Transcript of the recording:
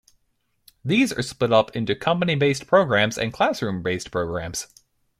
These are split up into company-based programmes and classroom-based programmes.